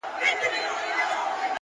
پر دې دُنیا سوځم پر هغه دُنیا هم سوځمه